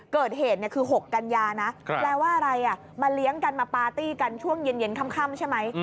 เกิดเหตุคือ๖กันยานะแปลว่าอะไรมาเลี้ยงกันมาปาร์ตี้กันช่วงเย็นค่ำใช่ไหม